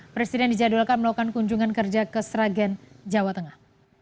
presiden dijadwalkan melakukan kunjungan kerja ke sragen jawa tengah